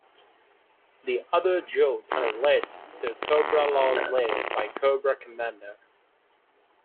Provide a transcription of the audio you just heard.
The other Joes are led to Cobra-La's lair by Cobra Commander.